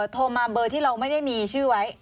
โทรมาเบอร์ที่เราไม่ได้มีชื่อไว้